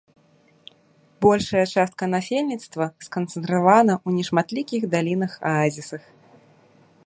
Большая частка насельніцтва сканцэнтравана ў нешматлікіх далінах-аазісах.